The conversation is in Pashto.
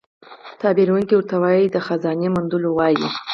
تعبیرونکی ورته د خزانې موندلو وايي.